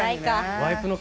ワイプの顔